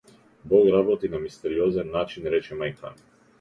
Бог работи на мистериозен начин, рече мајка ми.